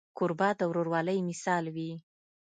کوربه د ورورولۍ مثال وي.